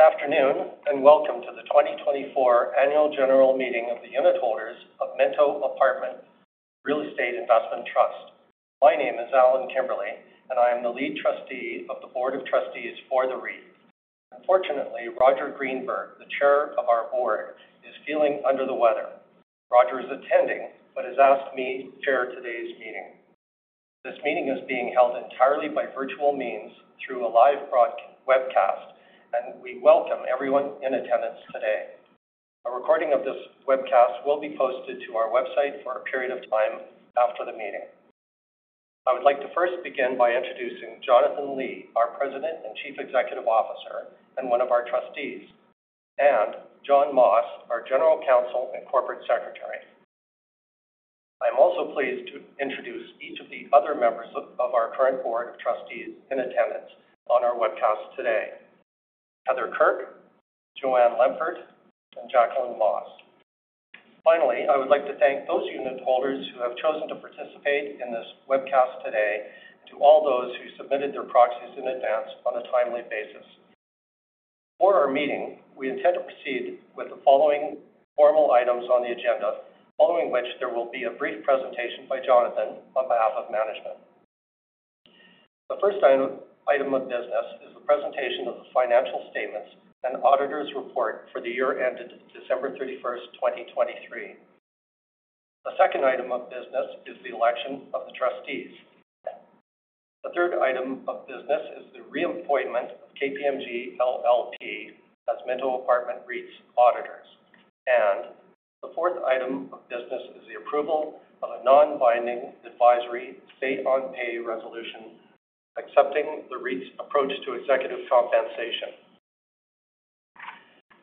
Good Afternoon and Welcome to the 2024 Annual General Meeting of the Unitholders of Minto Apartment Real Estate Investment Trust. My name is Allan Kimberley, and I am the Lead Trustee of the Board of Trustees for the REIT. Unfortunately, Roger Greenberg, the Chair of our board, is feeling under the weather. Roger is attending but has asked me to chair today's meeting. This meeting is being held entirely by virtual means through a live broad webcast, and we welcome everyone in attendance today. A recording of this webcast will be posted to our website for a period of time after the meeting. I would like to first begin by introducing Jonathan Li, our President and Chief Executive Officer and one of our trustees, and John Moss, our General Counsel and Corporate Secretary. I am also pleased to introduce each of the other members of our current Board of Trustees in attendance on our webcast today: Heather Kirk, Jo-Ann Lempert, and Jacqueline Moss. Finally, I would like to thank those unitholders who have chosen to participate in this webcast today and to all those who submitted their proxies in advance on a timely basis. Before our meeting, we intend to proceed with the following formal items on the agenda, following which there will be a brief presentation by Jonathan on behalf of management. The first item of business is the presentation of the financial statements and auditor's report for the year ended December 31 2023. The second item of business is the election of the trustees. The third item of business is the reappointment of KPMG LLP as Minto Apartment REIT's auditors. The fourth item of business is the approval of a non-binding advisory say-on-pay resolution accepting the REIT's approach to executive compensation.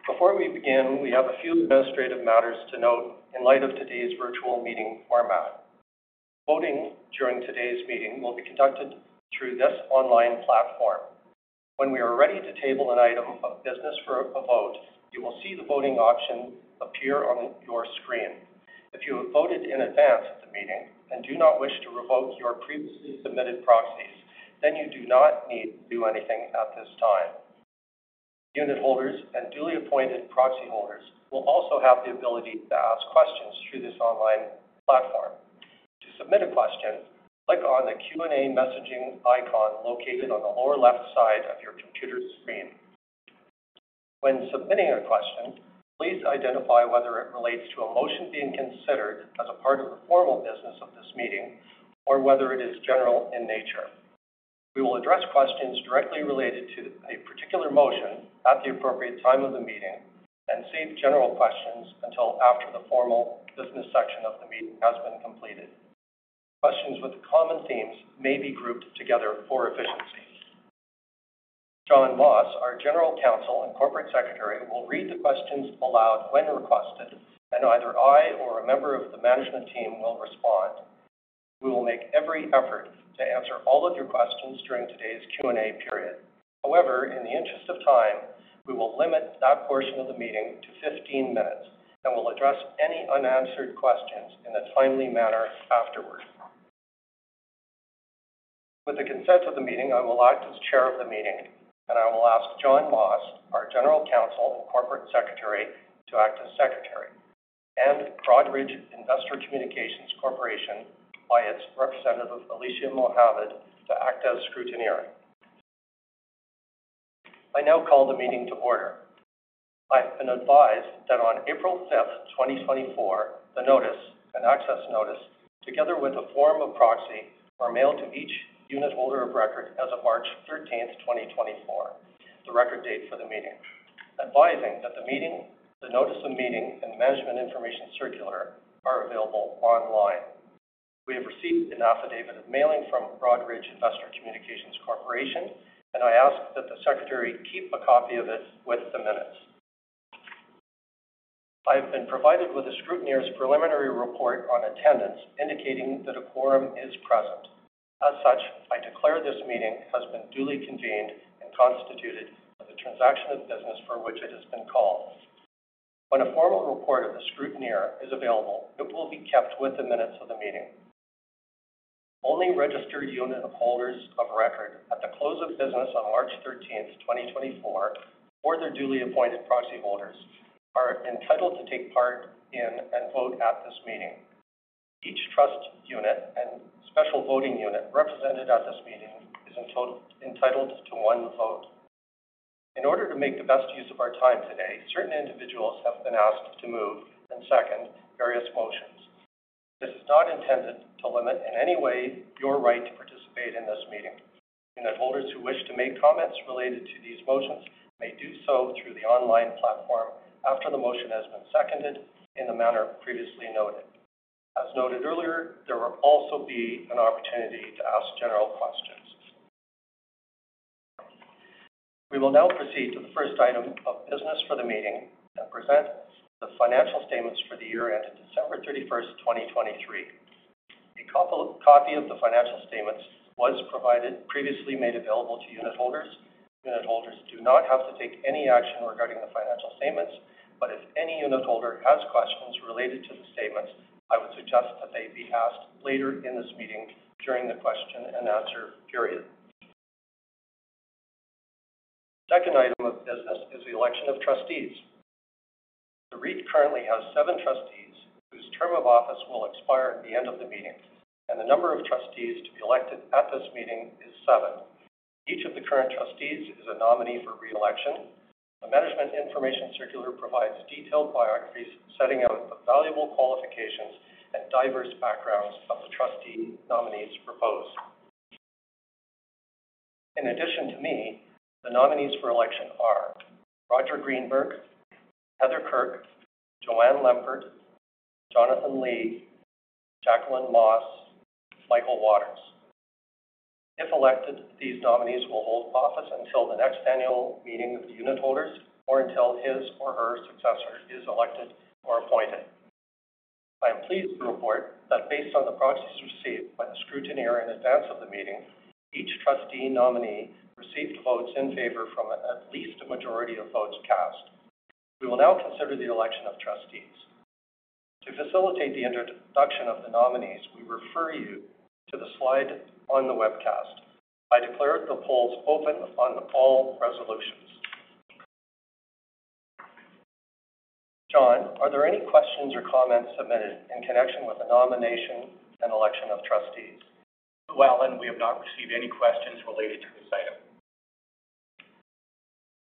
Before we begin, we have a few administrative matters to note in light of today's virtual meeting format. Voting during today's meeting will be conducted through this online platform. When we are ready to table an item of business for a vote, you will see the voting option appear on your screen. If you have voted in advance of the meeting and do not wish to revoke your previously submitted proxies, then you do not need to do anything at this time. Unitholders and duly appointed proxy holders will also have the ability to ask questions through this online platform. To submit a question, click on the Q&A messaging icon located on the lower left side of your computer screen. When submitting a question, please identify whether it relates to a motion being considered as a part of the formal business of this meeting or whether it is general in nature. We will address questions directly related to a particular motion at the appropriate time of the meeting and save general questions until after the formal business section of the meeting has been completed. Questions with common themes may be grouped together for efficiency. John Moss, our General Counsel and Corporate Secretary, will read the questions aloud when requested, and either I or a member of the management team will respond. We will make every effort to answer all of your questions during today's Q&A period. However, in the interest of time, we will limit that portion of the meeting to 15 minutes and will address any unanswered questions in a timely manner afterward. With the consent of the meeting, I will act as chair of the meeting, and I will ask John Moss, our General Counsel and Corporate Secretary, to act as Secretary, and Broadridge Investor Communications Corporation by its representative, Alisha Mohammed, to act as scrutineer. I now call the meeting to order. I have been advised that on April 5 2024, the notice-and-access notice together with a form of proxy, are mailed to each unitholder of record as of March 13 2024, the record date for the meeting, advising that the notice of meeting and management information circular are available online. We have received an affidavit of mailing from Broadridge Investor Communications Corporation, and I ask that the secretary keep a copy of it with the minutes. I have been provided with a scrutineer's preliminary report on attendance indicating that a quorum is present. As such, I declare this meeting has been duly convened and constituted of the transaction of business for which it has been called. When a formal report of the scrutineer is available, it will be kept with the minutes of the meeting. Only registered unitholders of record at the close of business on March 13 2024, or their duly appointed proxy holders are entitled to take part in and vote at this meeting. Each trust unit and special voting unit represented at this meeting is entitled to one vote. In order to make the best use of our time today, certain individuals have been asked to move and, second, various motions. This is not intended to limit in any way your right to participate in this meeting. Unitholders who wish to make comments related to these motions may do so through the online platform after the motion has been seconded in the manner previously noted. As noted earlier, there will also be an opportunity to ask general questions. We will now proceed to the first item of business for the meeting and present the financial statements for the year ended December 31 2023. A copy of the financial statements was provided previously made available to unitholders. Unitholders do not have to take any action regarding the financial statements, but if any unitholder has questions related to the statements, I would suggest that they be asked later in this meeting during the question-and-answer period. The second item of business is the election of trustees. The REIT currently has seven trustees whose term of office will expire at the end of the meeting, and the number of trustees to be elected at this meeting is seven. Each of the current trustees is a nominee for reelection. The management information circular provides detailed biographies setting out the valuable qualifications and diverse backgrounds of the trustee nominees proposed. In addition to me, the nominees for election are Roger Greenberg, Heather Kirk, Jo-Ann Lempert, Jonathan Li, Jacqueline Moss, and Michael Waters. If elected, these nominees will hold office until the next annual meeting of the unitholders or until his or her successor is elected or appointed. I am pleased to report that based on the proxies received by the scrutineer in advance of the meeting, each trustee nominee received votes in favor from at least a majority of votes cast. We will now consider the election of trustees. To facilitate the introduction of the nominees, we refer you to the slide on the webcast. I declare the polls open on all resolutions. John, are there any questions or comments submitted in connection with the nomination and election of trustees? No, Allan. We have not received any questions related to this item.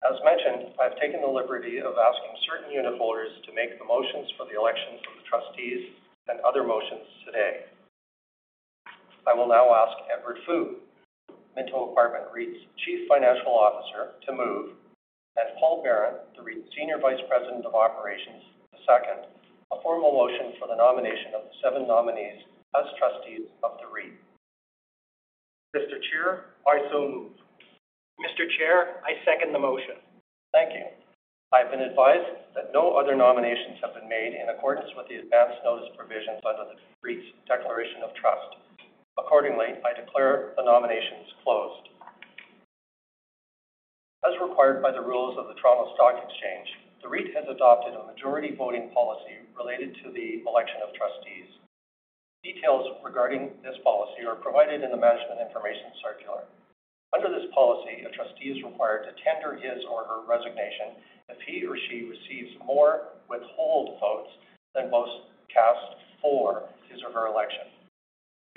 As mentioned, I have taken the liberty of asking certain unitholders to make the motions for the elections of the trustees and other motions today. I will now ask Edward Fu, Minto Apartment REIT's Chief Financial Officer, to move, and Paul Baron, the REIT's Senior Vice President of Operations, to second a formal motion for the nomination of the seven nominees as trustees of the REIT. Mr. Chair, I so move. Mr. Chair, I second the motion. Thank you. I have been advised that no other nominations have been made in accordance with the advance notice provisions under the REIT's declaration of trust. Accordingly, I declare the nominations closed. As required by the rules of the Toronto Stock Exchange, the REIT has adopted a majority voting policy related to the election of trustees. Details regarding this policy are provided in the management information circular. Under this policy, a trustee is required to tender his or her resignation if he or she receives more withhold votes than most cast for his or her election.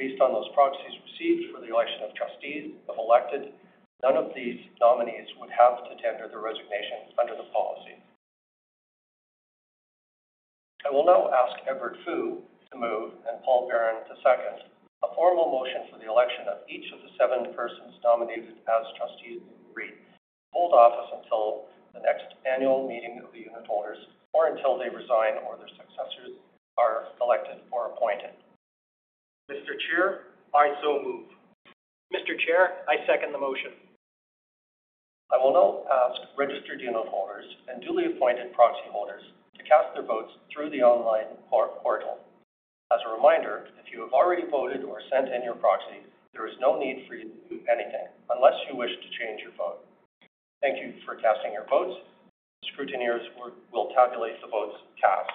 Based on those proxies received for the election of trustees to be elected, none of these nominees would have to tender their resignation under the policy. I will now ask Edward Fu to move and Paul Baron to second a formal motion for the election of each of the seven persons nominated as trustees of the REIT to hold office until the next annual meeting of the unitholders or until they resign or their successors are elected or appointed. Mr. Chair, I so move. Mr. Chair, I second the motion. I will now ask registered unitholders and duly appointed proxy holders to cast their votes through the online portal. As a reminder, if you have already voted or sent in your proxy, there is no need for you to do anything unless you wish to change your vote. Thank you for casting your votes. The scrutineers will tabulate the votes cast.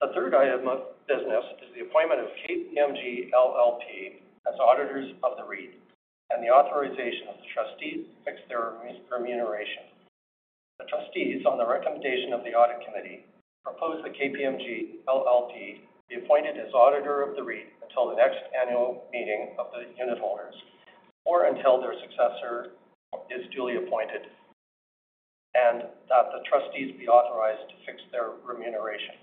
The third item of business is the appointment of KPMG LLP as auditors of the REIT and the authorization of the trustees to fix their remuneration. The trustees, on the recommendation of the audit committee, propose that KPMG LLP be appointed as auditor of the REIT until the next annual meeting of the unitholders or until their successor is duly appointed and that the trustees be authorized to fix their remuneration.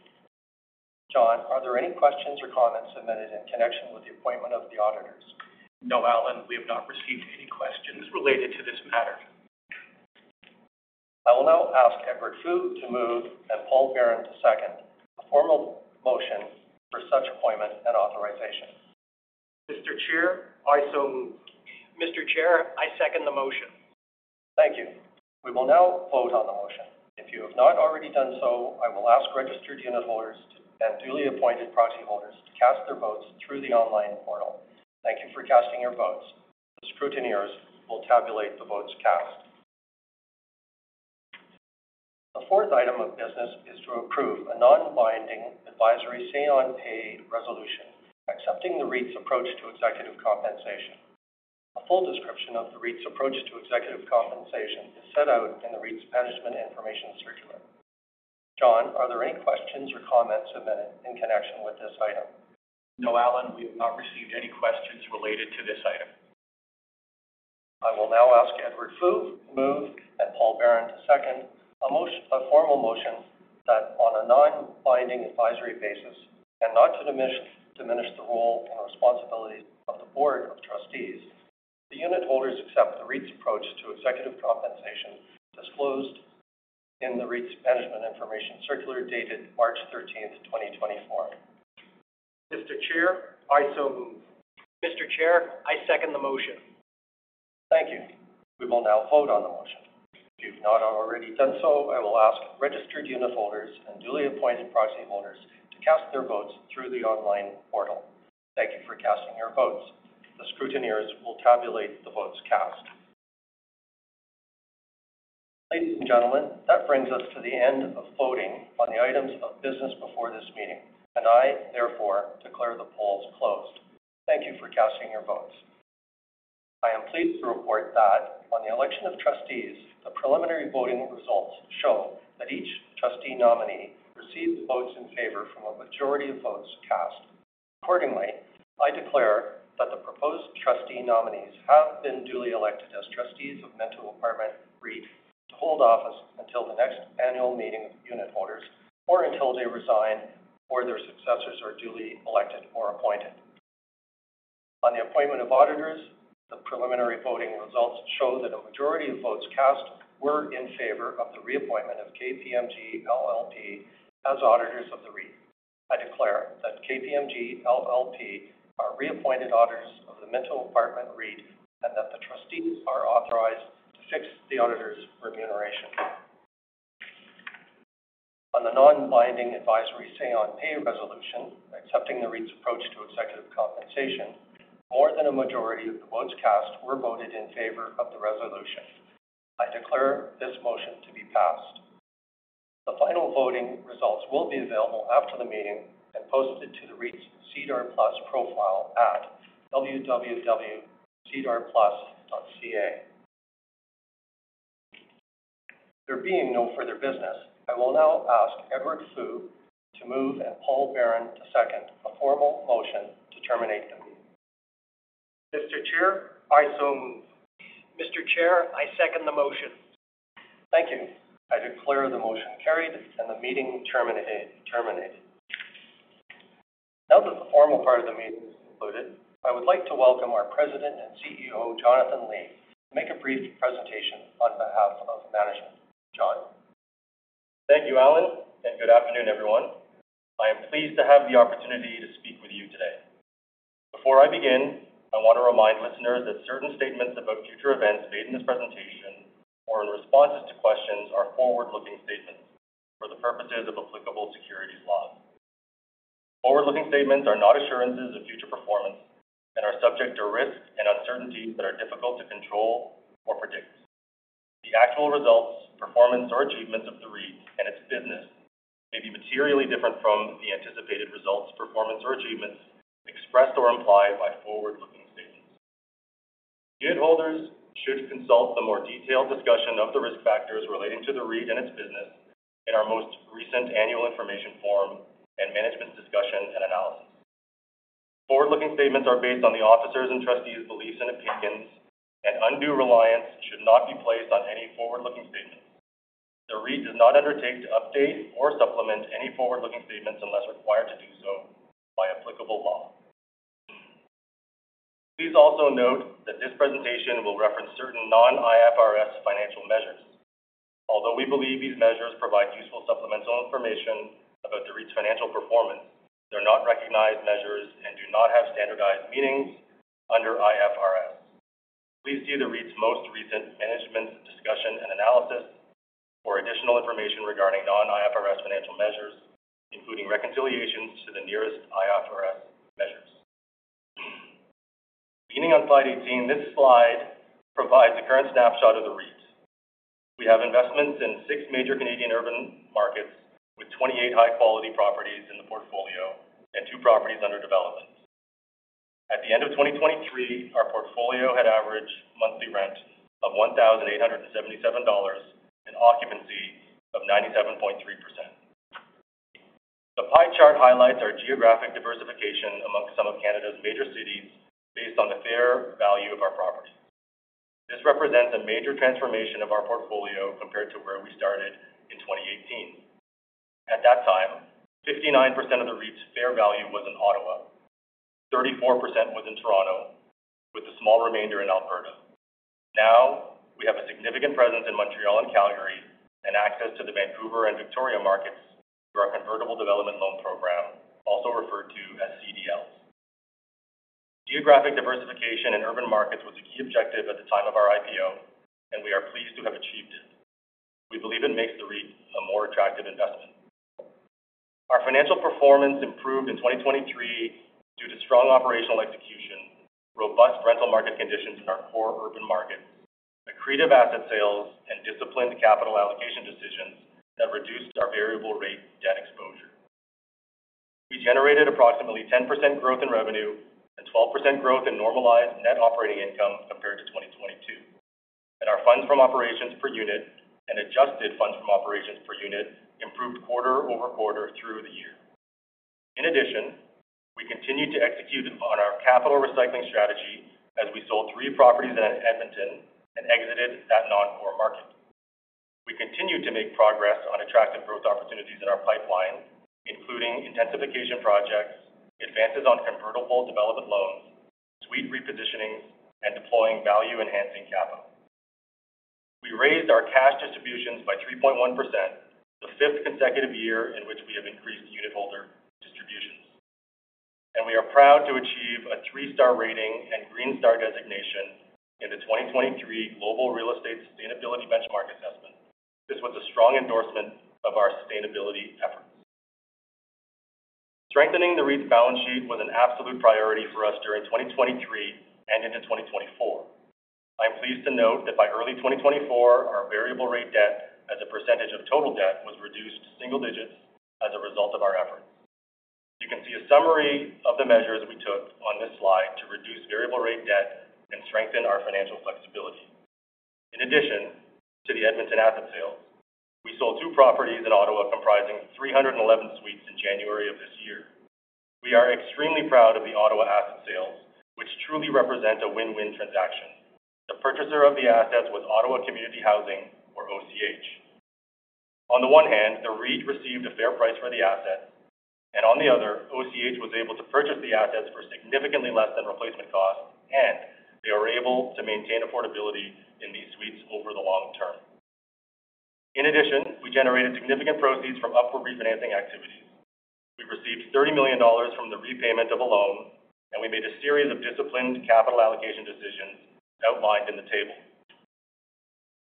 John, are there any questions or comments submitted in connection with the appointment of the auditors? No, Allan. We have not received any questions related to this matter. I will now ask Edward Fu to move and Paul Baron to second a formal motion for such appointment and authorization. Mr. Chair, I so move. Mr. Chair, I second the motion. Thank you. We will now vote on the motion. If you have not already done so, I will ask registered unitholders and duly appointed proxy holders to cast their votes through the online portal. Thank you for casting your votes. The scrutineers will tabulate the votes cast. The fourth item of business is to approve a non-binding advisory say-on-pay resolution accepting the REIT's approach to executive compensation. A full description of the REIT's approach to executive compensation is set out in the REIT's management information circular. John, are there any questions or comments submitted in connection with this item? No, Allan. We have not received any questions related to this item. I will now ask Edward Fu to move and Paul Baron to second a formal motion that, on a non-binding advisory basis and not to diminish the role and responsibilities of the board of trustees, the unitholders accept the REIT's approach to executive compensation disclosed in the REIT's management information circular dated March 13 2024. Mr. Chair, I so move. Mr. Chair, I second the motion. Thank you. We will now vote on the motion. If you have not already done so, I will ask registered unitholders and duly appointed proxy holders to cast their votes through the online portal. Thank you for casting your votes. The scrutineers will tabulate the votes cast. Ladies and gentlemen, that brings us to the end of voting on the items of business before this meeting, and I, therefore, declare the polls closed. Thank you for casting your votes. I am pleased to report that, on the election of trustees, the preliminary voting results show that each trustee nominee received votes in favor from a majority of votes cast. Accordingly, I declare that the proposed trustee nominees have been duly elected as trustees of Minto Apartment REIT to hold office until the next annual meeting of the unitholders or until they resign or their successors are duly elected or appointed. On the appointment of auditors, the preliminary voting results show that a majority of votes cast were in favor of the reappointment of KPMG LLP as auditors of the REIT. I declare that KPMG LLP are reappointed auditors of the Minto Apartment REIT and that the trustees are authorized to fix the auditors' remuneration. On the non-binding advisory say-on-pay resolution accepting the REIT's approach to executive compensation, more than a majority of the votes cast were voted in favor of the resolution. I declare this motion to be passed. The final voting results will be available after the meeting and posted to the REIT's SEDAR+ profile at www.sedarplus.ca. There being no further business, I will now ask Edward Fu to move and Paul Baron to second a formal motion to terminate the meeting. Mr. Chair, I so move. Mr. Chair, I second the motion. Thank you. I declare the motion carried and the meeting terminated. Now that the formal part of the meeting is concluded, I would like to welcome our President and CEO, Jonathan Li, to make a brief presentation on behalf of management. John. Thank you, Allan, and good afternoon, everyone. I am pleased to have the opportunity to speak with you today. Before I begin, I want to remind listeners that certain statements about future events made in this presentation or in responses to questions are forward-looking statements for the purposes of applicable securities law. Forward-looking statements are not assurances of future performance and are subject to risk and uncertainties that are difficult to control or predict. The actual results, performance, or achievements of the REIT and its business may be materially different from the anticipated results, performance, or achievements expressed or implied by forward-looking statements. Unitholders should consult the more detailed discussion of the risk factors relating to the REIT and its business in our most recent Annual Information Form and Management's Discussion and Analysis. Forward-looking statements are based on the officers' and trustees' beliefs and opinions, and undue reliance should not be placed on any forward-looking statements. The REIT does not undertake to update or supplement any forward-looking statements unless required to do so by applicable law. Please also note that this presentation will reference certain non-IFRS financial measures. Although we believe these measures provide useful supplemental information about the REIT's financial performance, they're not recognized measures and do not have standardized meanings under IFRS. Please see the REIT's most recent Management's Discussion and Analysis for additional information regarding non-IFRS financial measures, including reconciliations to the nearest IFRS measures. Leaning on slide 18, this slide provides a current snapshot of the REIT. We have investments in six major Canadian urban markets with 28 high-quality properties in the portfolio and two properties under development. At the end of 2023, our portfolio had average monthly rent of $1,877 and occupancy of 97.3%. The pie chart highlights our geographic diversification among some of Canada's major cities based on the fair value of our properties. This represents a major transformation of our portfolio compared to where we started in 2018. At that time, 59% of the REIT's fair value was in Ottawa, 34% was in Toronto, with the small remainder in Alberta. Now, we have a significant presence in Montreal and Calgary and access to the Vancouver and Victoria markets through our convertible development loan program, also referred to as CDLs. Geographic diversification in urban markets was a key objective at the time of our IPO, and we are pleased to have achieved it. We believe it makes the REIT a more attractive investment. Our financial performance improved in 2023 due to strong operational execution, robust rental market conditions in our core urban markets, accretive asset sales, and disciplined capital allocation decisions that reduced our variable-rate debt exposure. We generated approximately 10% growth in revenue and 12% growth in normalized net operating income compared to 2022, and our funds from Operations per unit and adjusted Funds from Operations per unit improved quarter-over-quarter through the year. In addition, we continued to execute on our capital recycling strategy as we sold three properties in Edmonton and exited that non-core market. We continue to make progress on attractive growth opportunities in our pipeline, including intensification projects, advances on convertible development loans, suite repositioning, and deploying value-enhancing capital. We raised our cash distributions by 3.1%, the fifth consecutive year in which we have increased unitholder distributions. We are proud to achieve a three-star rating and Green Star designation in the 2023 Global Real Estate Sustainability Benchmark Assessment. This was a strong endorsement of our sustainability efforts. Strengthening the REIT's balance sheet was an absolute priority for us during 2023 and into 2024. I am pleased to note that by early 2024, our variable-rate debt as a percentage of total debt was reduced single digits as a result of our efforts. You can see a summary of the measures we took on this slide to reduce variable-rate debt and strengthen our financial flexibility. In addition to the Edmonton asset sales, we sold two properties in Ottawa comprising 311 suites in January of this year. We are extremely proud of the Ottawa asset sales, which truly represent a win-win transaction. The purchaser of the assets was Ottawa Community Housing, or OCH. On the one hand, the REIT received a fair price for the assets, and on the other, OCH was able to purchase the assets for significantly less than replacement costs, and they were able to maintain affordability in these suites over the long term. In addition, we generated significant proceeds from upward refinancing activities. We received $30 million from the repayment of a loan, and we made a series of disciplined capital allocation decisions outlined in the table.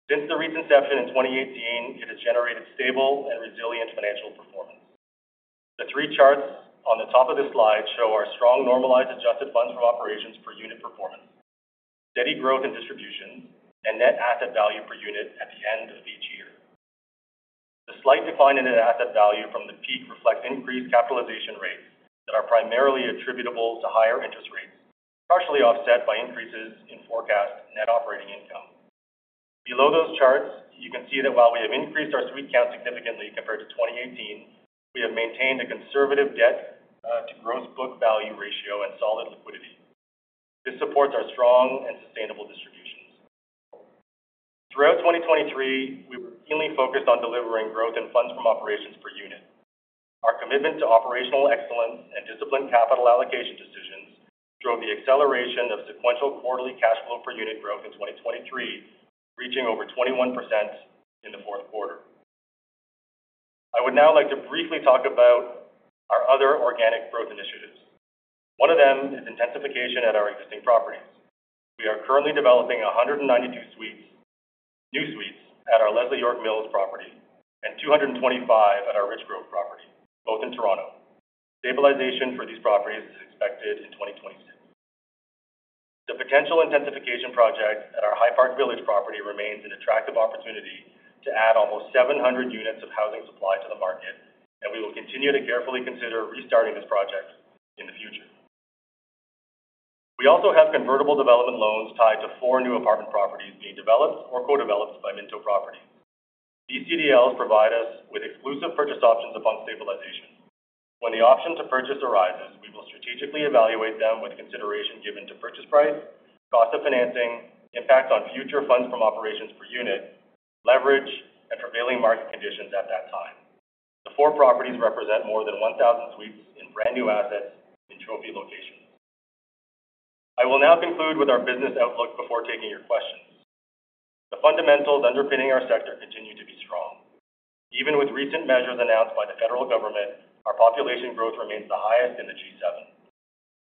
Since the REIT's inception in 2018, it has generated stable and resilient financial performance. The three charts on the top of this slide show our strong normalized Adjusted Funds From Operations per unit performance, steady growth in distributions, and Net Asset Value per unit at the end of each year. The slight decline in net asset value from the peak reflects increased capitalization rates that are primarily attributable to higher interest rates, partially offset by increases in forecast net operating income. Below those charts, you can see that while we have increased our suite count significantly compared to 2018, we have maintained a conservative debt-to-gross-book value ratio and solid liquidity. This supports our strong and sustainable distributions. Throughout 2023, we were keenly focused on delivering growth in Funds from Operations per unit. Our commitment to operational excellence and disciplined capital allocation decisions drove the acceleration of sequential quarterly cash flow per unit growth in 2023, reaching over 21% in the Q4. I would now like to briefly talk about our other organic growth initiatives. One of them is intensification at our existing properties. We are currently developing 192 new suites at our Leslie York Mills property and 225 at our Richgrove property, both in Toronto. Stabilization for these properties is expected in 2026. The potential intensification project at our High Park Village property remains an attractive opportunity to add almost 700 units of housing supply to the market, and we will continue to carefully consider restarting this project in the future. We also have convertible development loans tied to 4 new apartment properties being developed or co-developed by Minto Properties. These CDLs provide us with exclusive purchase options upon stabilization. When the option to purchase arises, we will strategically evaluate them with consideration given to purchase price, cost of financing, impact on future Funds from Operations per unit, leverage, and prevailing market conditions at that time. The 4 properties represent more than 1,000 suites in brand new assets in trophy locations. I will now conclude with our business outlook before taking your questions. The fundamentals underpinning our sector continue to be strong. Even with recent measures announced by the federal government, our population growth remains the highest in the G7.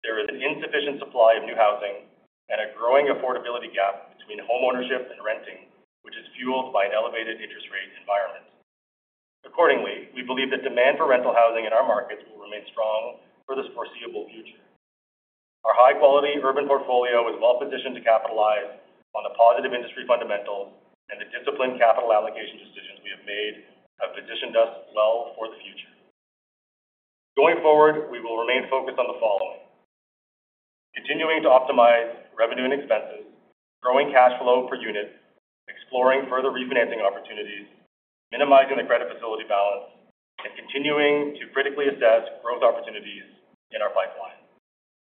There is an insufficient supply of new housing and a growing affordability gap between home ownership and renting, which is fueled by an elevated interest rate environment. Accordingly, we believe that demand for rental housing in our markets will remain strong for this foreseeable future. Our high-quality urban portfolio is well-positioned to capitalize on the positive industry fundamentals and the disciplined capital allocation decisions we have made have positioned us well for the future. Going forward, we will remain focused on the following: continuing to optimize revenue and expenses, growing cash flow per unit, exploring further refinancing opportunities, minimizing the credit facility balance, and continuing to critically assess growth opportunities in our pipeline.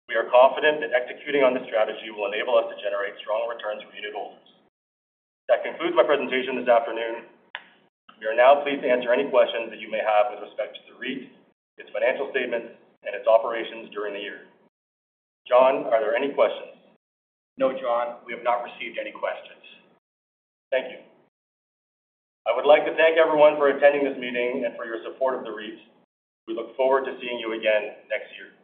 We are confident that executing on this strategy will enable us to generate strong returns for unitholders. That concludes my presentation this afternoon. We are now pleased to answer any questions that you may have with respect to the REIT, its financial statements, and its operations during the year. John, are there any questions? No, Jon. We have not received any questions. Thank you. I would like to thank everyone for attending this meeting and for your support of the REIT. We look forward to seeing you again next year.